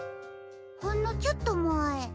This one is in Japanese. ほんのちょっとまえ。